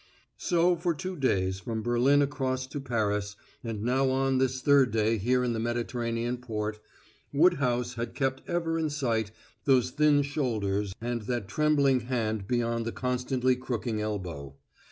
So for two days, from Berlin across to Paris, and now on this third day here in the Mediterranean port, Woodhouse had kept ever in sight those thin shoulders and that trembling hand beyond the constantly crooking elbow.